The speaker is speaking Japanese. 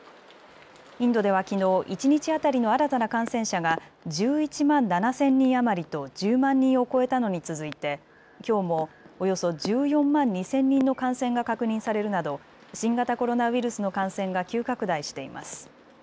インドではきのう一日当たりの新たな感染者が１１万７０００人余りと１０万人を超えたのに続いてきょうもおよそ１４万２０００人の感染が確認されるなど新型コロナウイルスの感染が急拡大しています。